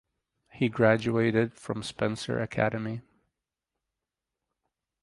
He graduated from Spencer Academy.